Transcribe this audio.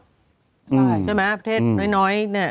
ใช่ใช่ไหมประเทศน้อย